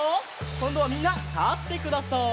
こんどはみんなたってください。